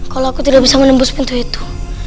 kalau aku tidak bisa menembus pintu itu